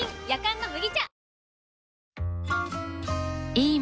いい